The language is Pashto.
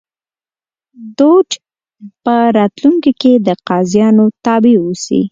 دوج په راتلونکي کې د قاضیانو تابع اوسي.